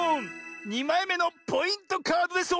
２まいめのポイントカードです！